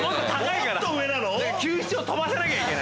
球七を飛ばさなきゃいけない。